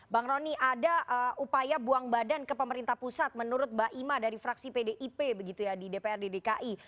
bang roni ada upaya buang badan ke pemerintah pusat menurut mbak ima dari fraksi pdip begitu ya di dprd dki